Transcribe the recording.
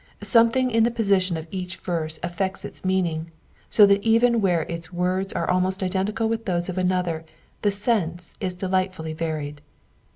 Something in the position of each verse affects its meaning, so that even where its words are almost identical with those of another the sense is delightfully varied.